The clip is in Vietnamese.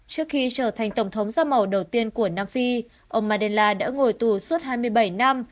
trước khi trở thành tổng thống da màu đầu tiên của nam phi ông madela đã ngồi tù suốt hai mươi bảy năm